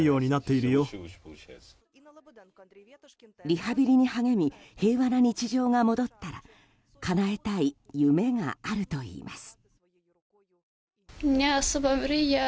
リハビリに励み平和な日常が戻ったらかなえたい夢があるといいます。